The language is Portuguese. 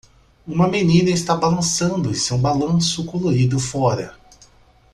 Uma menina está balançando em seu balanço colorido fora.